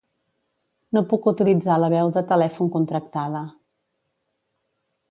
No puc utilitzar la veu de telèfon contractada.